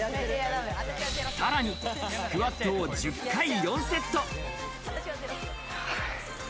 さらにスクワットを１０回、４セット。